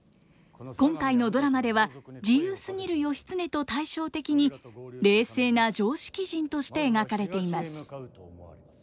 今回のドラマでは自由すぎる義経と対照的に冷静な常識人として描かれています。